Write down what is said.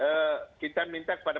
pendukung nah ini kita minta kepada